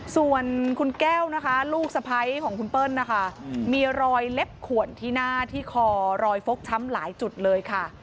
ส่วนคุณแก้วนะคะลูกสะพ้ายของคุณเปิ้ลนะคะมีรอยเล็บขวนที่หน้าที่คอรอยฟกช้ำหลายจุดเลยค่ะ